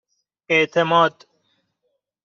اِعتماد